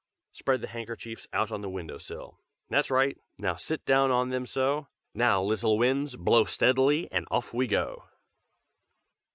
"Spread the handkerchiefs out on the window sill. That's right! Now sit down on them so! now, little Winds, blow steadily and off we go!"